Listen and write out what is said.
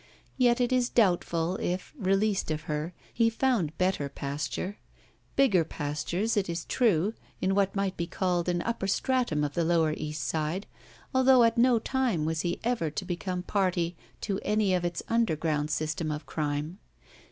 Yet it is doubtful if, released of her, he found better pasttu^. Bigger pasttu'es, it is true, in what might be called an upper stratum of the lower East Side, although at no time was he ever to become party to any of its tmderground system of crime.